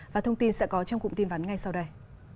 và thông tin sẽ có trong cụm tin vắn ngay sau đây